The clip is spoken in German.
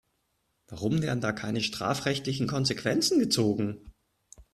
Warum werden da keine strafrechtlichen Konsequenzen gezogen?